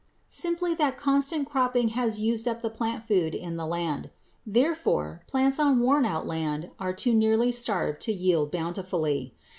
Simply that constant cropping has used up the plant food in the land. Therefore, plants on worn out land are too nearly starved to yield bountifully.